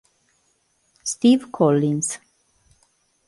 Steve Collins